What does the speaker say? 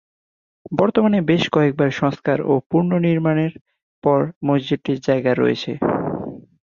বর্তমানে বেশ কয়েকবার সংস্কার ও পুনর্নির্মাণের পর, মসজিদটির জায়গা রয়েছে।